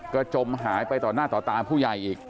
ก็จมหายไปต่อหน้าต่อตาผู้ใหญ่อีก